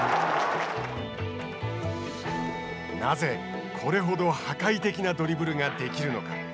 なぜ、これほど破壊的なドリブルができるのか。